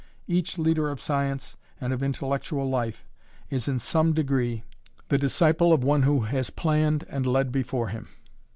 Each leader of science and of intellectual life is in some degree the disciple of one who has planned and led before him.